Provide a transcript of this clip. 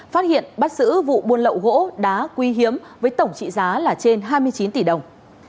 phát hiện bắt giữ vụ buôn lậu gỗ đá quý hiếm với tổng trị giá là trên hai mươi chín tỷ đồng